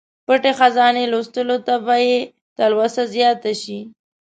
پټې خزانې لوستلو ته به یې تلوسه زیاته شي.